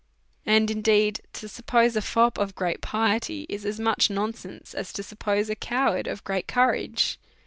And, indeed, to*", suppose a fop of great piety is as much nonsense j as to suppose a coward of great courage.